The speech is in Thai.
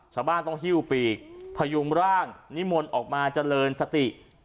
ชาวบ้านต้องหิ้วปีกพยุงร่างนิมนต์ออกมาเจริญสติ